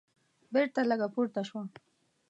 بېرته لږه پورته شوه.